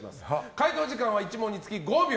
解答時間は１問につき５秒。